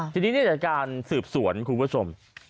ทีนี้จากการสืบสวนคุณผู้ชม